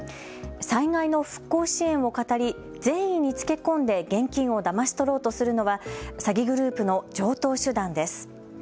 災害の復興支援をかたり善意につけ込んで現金をだまし取ろうとするのは、詐欺グループの常とう手段です。